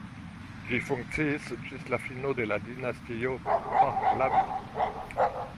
Ĝi funkciis ĝis la fino de la dinastio Pahlavi.